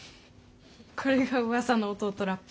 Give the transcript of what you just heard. これがうわさの弟ラップ？